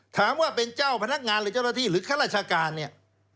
ถามว่าเป็นเจ้าพนักงานหรือเจ้าหน้าที่หรือข้าราชการเนี่ย